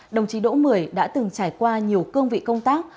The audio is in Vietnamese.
đồng chí đỗ mười đã từng trải qua nhiều cương vị công tác